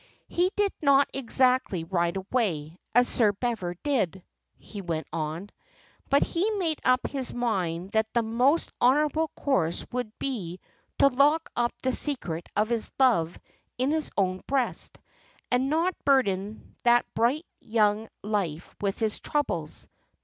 "He did not exactly ride away, as Sir Bever did," he went on; "but he made up his mind that the most honourable course would be to lock up the secret of his love in his own breast, and not burden that bright young life with his troubles.